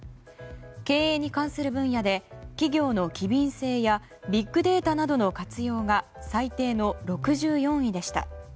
経営に関する分野で企業の機敏性やビッグデータなどの活用が最低の６４位でした。